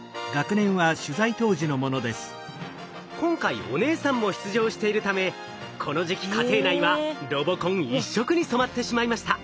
今回お姉さんも出場しているためこの時期家庭内はロボコン一色に染まってしまいました。